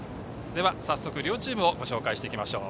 では早速、両チームをご紹介しましょう。